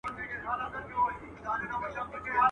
o دلته بې په بډه کړم، کلي کي به ئې گډه کړم.